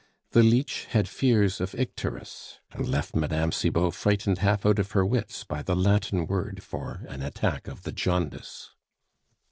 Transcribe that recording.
The leech had fears of icterus, and left Mme. Cibot frightened half out of her wits by the Latin word for an attack of the jaundice.